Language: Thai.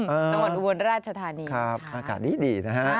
จังหวัดอุบรรณราชธานีอากาศดีนะครับ